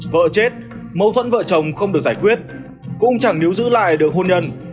vợ chết mâu thuẫn vợ chồng không được giải quyết cũng chẳng nếu giữ lại được hôn nhân